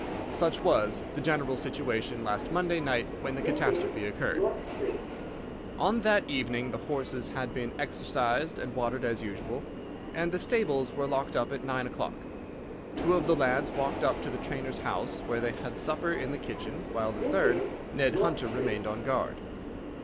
Such was the general situation last Monday night when the catastrophe occurred. "On that evening the horses had been exercised and watered as usual, and the stables were locked up at nine o'clock. Two of the lads walked up to the trainer's house, where they had supper in the kitchen, while the third, Ned Hunter, remained on guard.